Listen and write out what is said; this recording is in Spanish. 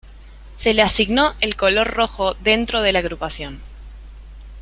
Se le asignó el color Rojo, dentro de la agrupación.